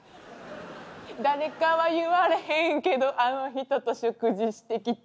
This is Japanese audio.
「誰かは言われへんけどあの人と食事してきた」